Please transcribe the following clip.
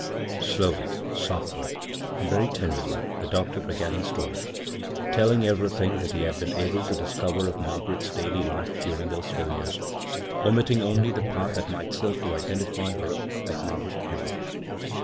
Slowly, softly, and very tenderly the doctor began his story, telling everything that be had been able to discover of Margaret's daily life during those four years, omitting only that part which might serve to identify her as Margaret Kendall.